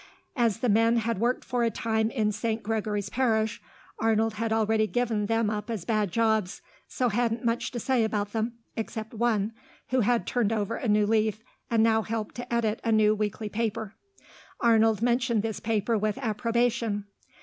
As the men had worked for a time in St. Gregory's parish, Arnold had already given them up as bad jobs, so hadn't much to say about them, except one, who had turned over a new leaf, and now helped to edit a new weekly paper. Arnold mentioned this paper with approbation.